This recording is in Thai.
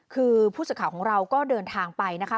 คือผู้สื่อข่าวของเราก็เดินทางไปนะคะ